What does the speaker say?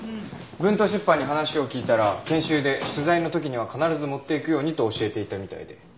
文東出版に話を聞いたら研修で取材の時には必ず持っていくようにと教えていたみたいで。